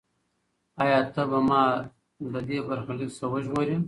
ایا ته به ما له دې برخلیک څخه وژغورې؟